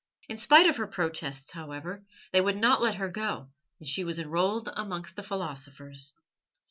In spite of her protests, however, they would not let her go, and she was enrolled amongst the philosophers.